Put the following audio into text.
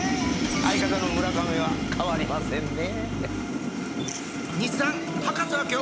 相方の村上は変わりませんね。